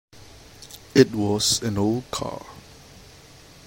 It was an old car.